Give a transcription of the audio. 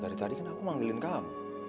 dari tadi kan aku manggilin kamu